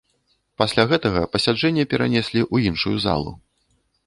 Пасля гэтага пасяджэнне перанеслі ў іншую залу.